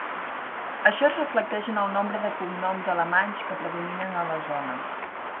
Això es reflecteix en el nombre de cognoms alemanys que predominen a la zona.